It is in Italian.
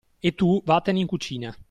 E tu vattene in cucina.